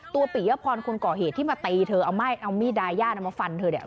ตัวปิยพรคนก่อเหตุที่มาตีเธอเอาไม้ดายย่ามาฟันเธอ